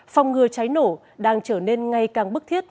phòng ngừa cháy nổ đang trở nên ngay càng bức thiết